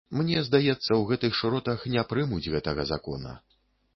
Мне здаецца, у гэтых шыротах не прымуць гэтага закона.